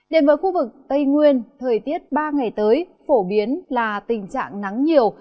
đến với khu vực tây nguyên thời tiết ba ngày tới phổ biến là tình trạng nắng nhiều